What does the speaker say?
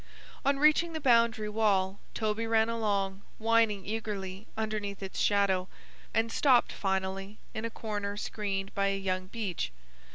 On reaching the boundary wall Toby ran along, whining eagerly, underneath its shadow, and stopped finally in a corner screened by a young beech.